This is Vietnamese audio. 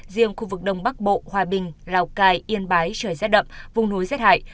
riêng khu vực đông bắc bộ hòa bình lào cai yên bái trời rét đậm vùng núi rét hại